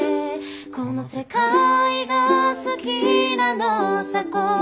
「この世界が好きなのさ心から」